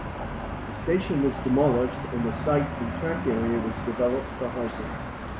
The station was demolished and the site and track area was developed for housing.